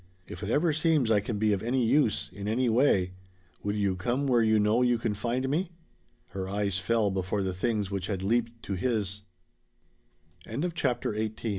If it ever seems I can be of any use in any way will you come where you know you can find me?" Her eyes fell before the things which had leaped to his. CHAPTER XIX Two hours later she fo